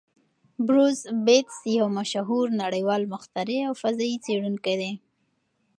بروس بتز یو مشهور نړیوال مخترع او فضايي څېړونکی دی.